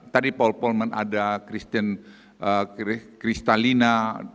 tadi paul polman ada kristalina